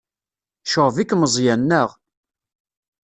Yecɣeb-ik Meẓyan, naɣ?